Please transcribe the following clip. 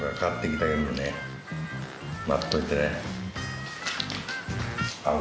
待っといてね。